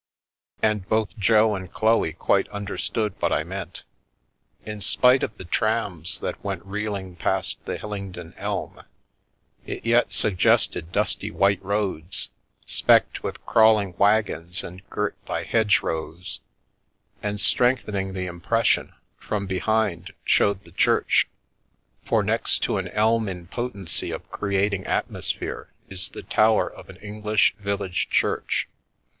" And both Jo and Chloe quite understood what I meant. In spite of the trams that went reeling past the Hillingdon elm, it yet suggested dusty white roads, specked with crawling wag The Milky Way gons and girt by hedgerows : and, strengthening the im pression, from behind showed the church — for next to an elm in potency of creating atmosphere is the tower of an English village church.